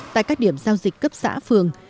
tại các điểm giao dịch cấp xã phường